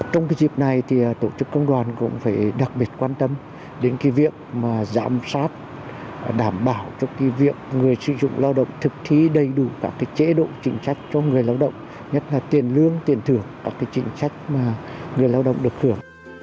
trong cái dịp này thì tổ chức công đoàn cũng phải đặc biệt quan tâm đến cái việc mà giám sát đảm bảo cho cái việc người sử dụng lao động thực thí đầy đủ các cái chế độ trình trách cho người lao động nhất là tiền lương tiền thưởng các cái trình trách mà người lao động được hưởng